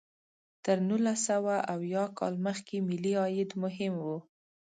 تر نولس سوه اویا کال مخکې ملي عاید مهم و.